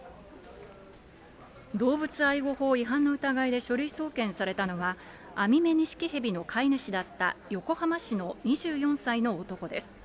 動物愛護法違反の疑いで書類送検されたのは、アミメニシキヘビの飼い主だった横浜市の２４歳の男です。